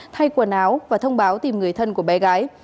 thay quần áo và thông báo tìm người thân của bé gái